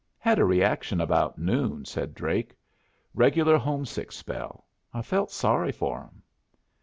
"Had a reaction about noon," said Drake. "Regular home sick spell. I felt sorry for 'em."